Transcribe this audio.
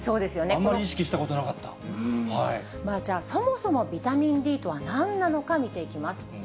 あんまり意識したことなかっまあじゃあ、そもそもビタミンＤとはなんなのか、見ていきます。